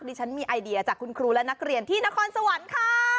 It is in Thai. ดิฉันมีไอเดียจากคุณครูและนักเรียนที่นครสวรรค์ค่ะ